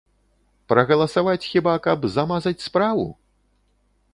Прагаласаваць хіба, каб замазаць справу?